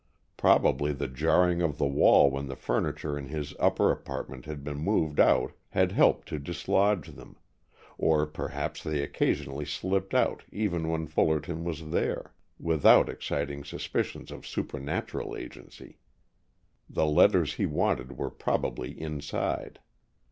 Probably the jarring of the wall when the furniture in this upper apartment had been moved out had helped to dislodge them, or perhaps they occasionally slipped out even when Fullerton was there, without exciting suspicions of supernatural agency. The letters he wanted were probably inside.